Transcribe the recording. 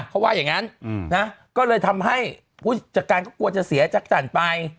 เขาว่าอย่างนั้นนะก็เลยทำให้ผู้จัดการก็กลัวจะเสียจักรจันทร์ไป